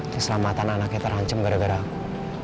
keselamatan anaknya terhancem gara gara aku